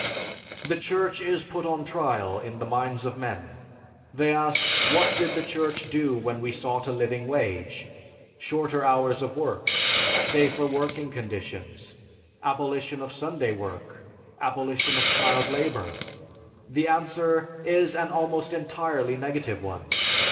... The Church is put on trial in the minds of men. They ask, 'What did the Church do when we sought a living wage, shorter hours of work, safer working conditions, abolition of Sunday work, abolition of child labor?' The answer is an almost entirely negative one.